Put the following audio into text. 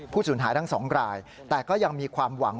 สูญหายทั้งสองรายแต่ก็ยังมีความหวัง